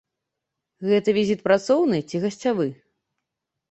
Гэты візіт працоўны ці гасцявы?